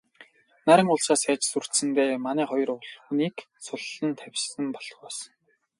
Наран улсаас айж сүрдсэндээ манай хоёр хүнийг суллан тавьсан болохоос...